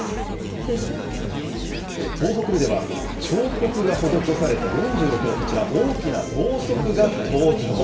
東北部では彫刻が施された４６のこちら、大きなろうそくが登場。